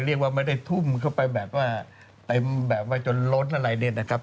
เรียกว่าไม่ได้ทุ่มเข้าไปแบบว่าเต็มแบบว่าจนล้นอะไรเนี่ยนะครับ